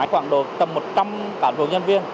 chúng tôi có máy quản đồ tầm một trăm linh cả thuộc nhân viên